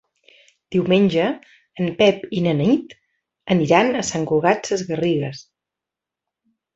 Diumenge en Pep i na Nit aniran a Sant Cugat Sesgarrigues.